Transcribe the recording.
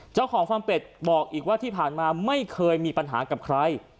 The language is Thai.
ฟอร์มเป็ดบอกอีกว่าที่ผ่านมาไม่เคยมีปัญหากับใคร